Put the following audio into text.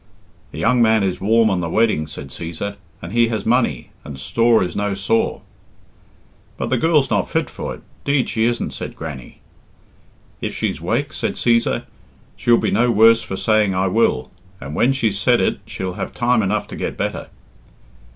"The young man is warm on the wedding," said Cæsar, "and he has money, and store is no sore." "But the girl's not fit for it, 'deed she isn't," said Grannie. "If she's wake," said Cæsar, "shell be no worse for saying 'I will,' and when she's said it she'll have time enough to get better."